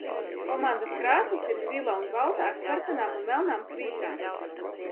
Komandas krāsas ir zila un balta ar sarkanām un melnām svītrām.